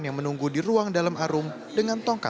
yang menunggu di ruang dalam arum dengan tongkat